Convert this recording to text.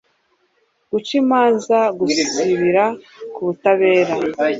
gucimanza guzubire ku kutabera